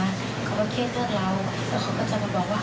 และก็จะเป็นเหตุผลที่จะเป็นผลของนางสาว